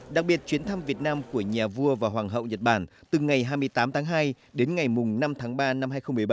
đặc biệt chuyến thăm việt nam của nhà vua và hoàng hậu nhật bản từ ngày hai mươi tám tháng hai đến ngày năm tháng ba năm hai nghìn một mươi bảy